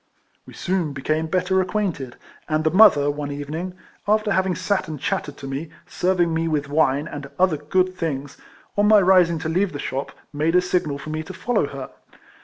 We soon became better acquainted, and the mother, one evening, after having sat and chattered to me, serving me with wine, and other good things, on my rising to leave the shop, made a signal for me to follow her.